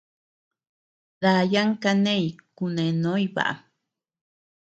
Dayan kaneñ kunenoñ baʼam.